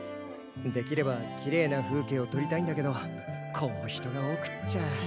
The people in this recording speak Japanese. できればきれいな風景をとりたいんだけどこう人が多くっちゃ。